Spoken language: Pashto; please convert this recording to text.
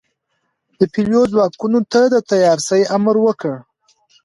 د پلیو ځواکونو ته د تیارسئ امر وکړ.